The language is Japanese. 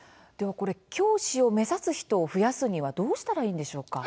教師を目指す人を増やすには、どうしたらいんでしょうか。